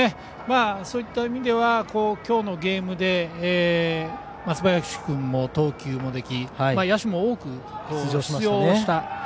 そういった意味では今日のゲームで松林君も投球ができ野手も多く出場した。